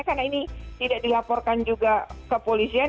karena ini tidak dilaporkan juga kepolisian